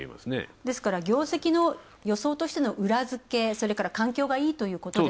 ですから業績の予想としての裏づけ、それから環境がいいと。